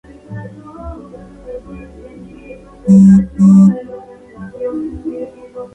En el modo silencioso, el movimiento de las teclas es captado por unos sensores.